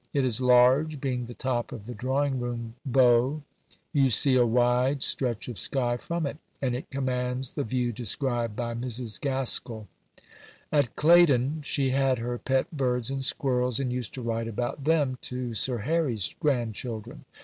It is large, being the top of the drawing room bow; you see a wide stretch of sky from it, and it commands the view described by Mrs. Gaskell. At Claydon she had her pet birds and squirrels, and used to write about them to Sir Harry's grandchildren.